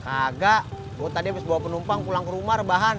kagak gue tadi abis bawa penumpang pulang ke rumah rebahan